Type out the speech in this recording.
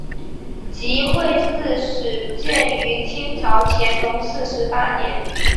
集惠寺始建于清朝乾隆四十八年。